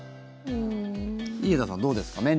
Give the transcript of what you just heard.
井桁さん、どうですか？